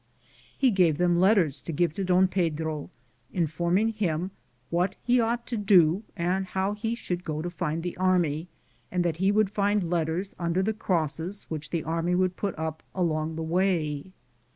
He gave them letters to give to Don Pedro, informing him what he ought to do and how he should go to find the army, and that he would find letters under the crosses which the army would put up along the way.